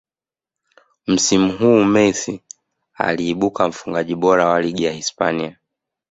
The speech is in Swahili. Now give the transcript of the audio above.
msimu huu Messi aliibuka mfungaji bora wa ligi ya hispania